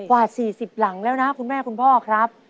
กว่า๔๐หลังแล้วนะคุณแม่คุณพ่อครับ